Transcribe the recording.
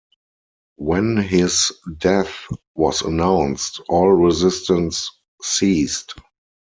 When his death was announced, all resistance ceased.